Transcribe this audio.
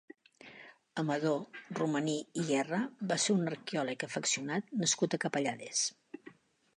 Amador Romaní i Guerra va ser un arqueòleg afeccionat nascut a Capellades.